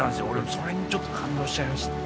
それにちょっと感動しちゃいました。